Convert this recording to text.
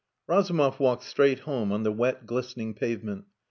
IV Razumov walked straight home on the wet glistening pavement.